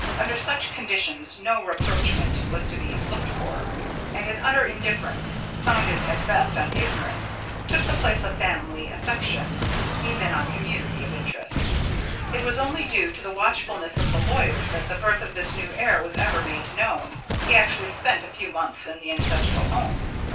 Under such conditions no rapprochement was to be looked for, and an utter indifference, founded at best on ignorance, took the place of family affection even on community of interests. It was only due to the watchfulness of the lawyers that the birth of this new heir was ever made known. He actually spent a few months in the ancestral home.